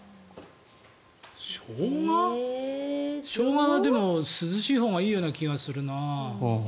ショウガは涼しいほうがいいような気がするな。